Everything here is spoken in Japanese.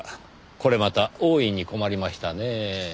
これまた大いに困りましたねぇ。